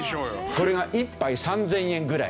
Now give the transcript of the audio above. これが１杯３０００円ぐらい。